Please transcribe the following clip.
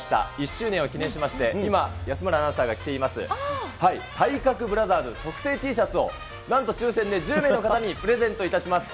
１周年を記念しまして、今、安村アナウンサーが着ています、体格ブラザーズ特製Ｔシャツを、なんと抽せんで１０名の方にプレゼントいたします。